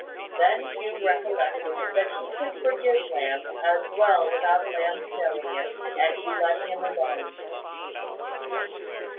Then Hugh recollected that he could forgive Lamb as well without Lamb's knowing it; and he let him alone.